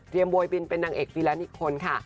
เรียมโบยบิลเป็นนางเอกฟีรันด์อีกคนค่ะ